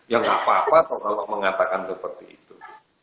ya nggak apa apa kalau mengatakan seperti itu